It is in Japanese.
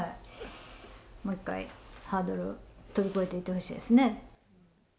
もう一回、ハードルを飛び越えていってほしいですね。